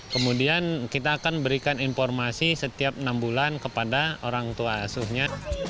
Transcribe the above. kemudian kita akan berikan informasi setiap enam bulan kepada orang tua asuhnya